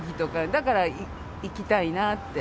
だから、行きたいなって。